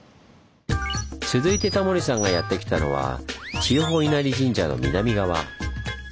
続いてタモリさんがやって来たのは千代保稲荷神社の南側。